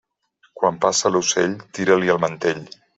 Quan passa l'ocell, tira-li el mantell.